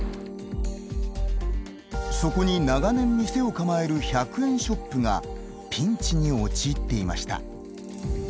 そこに長年店を構える１００円ショップがピンチに陥っていました。